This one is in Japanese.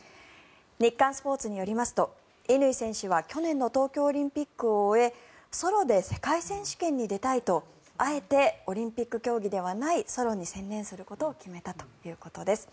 日刊スポーツによりますと乾選手は去年の東京オリンピックを終えソロで世界選手権に出たいとあえてオリンピック競技ではないソロに専念することを決めたということです。